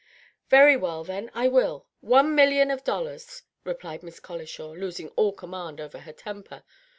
"Very well, then, I will, one million of dollars," replied Miss Colishaw, losing all command over her temper.